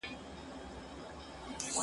زه سلطان یم د هوا تر آسمانونو